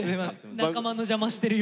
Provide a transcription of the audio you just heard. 仲間の邪魔してるよ。